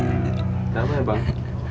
gak apa ya bang